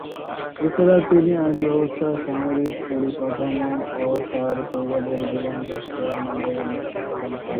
এছাড়া তিনি আইন ব্যবস্থা, সামরিক পরিকাঠামো ও তাঁর প্রজাদের জীবনযাত্রার মানের উন্নতিসাধন করেছিলেন।